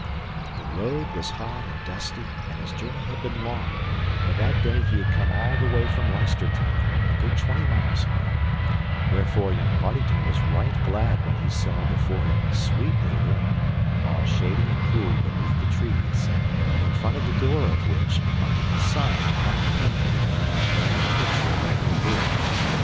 The road was hot and dusty and his journey had been long, for that day he had come all the way from Leicester Town, a good twenty miles and more; wherefore young Partington was right glad when he saw before him a sweet little inn, all shady and cool beneath the trees, in front of the door of which a sign hung pendant, bearing the picture of a blue boar.